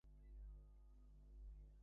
কিন্তু আমি অন্যকারো গল্পের চরিত্র নই।